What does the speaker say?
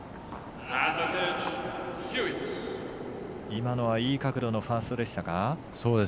今のはいい角度のファーストでしたか？